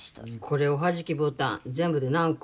これおはじきボタン全部で何個？